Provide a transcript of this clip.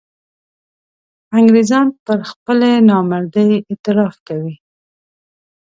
انګرېزان پر خپلې نامردۍ اعتراف کوي.